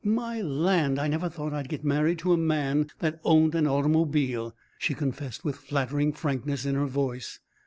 "My land, I never thought I'd get married to a man that owned an automobile," she confessed with flattering frankness in her voice.